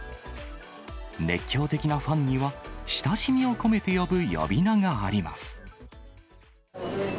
熱狂的なファンには、親しみを込めて呼ぶ呼び名があります。